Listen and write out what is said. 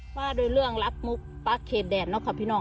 ป่าโดยเรื่องรับมุขปะเขดแดดนะครับพี่น้อง